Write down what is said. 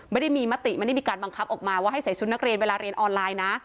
ไม่ได้มีมติไม่ได้มีการบังคับออกมาว่าให้ใส่ชุดนักเรียนเวลาเรียนออนไลน์นะ